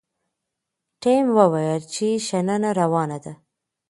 ټیم وویل چې شننه روانه ده.